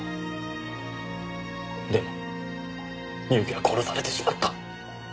でも深雪は殺されてしまった。